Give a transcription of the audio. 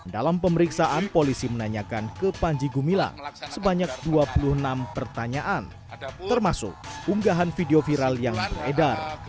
dalam pemeriksaan polisi menanyakan ke panji gumilang sebanyak dua puluh enam pertanyaan termasuk unggahan video viral yang beredar